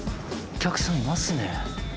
お客さんいますね。